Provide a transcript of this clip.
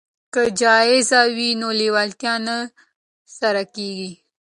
که جایزه وي نو لیوالتیا نه سړه کیږي.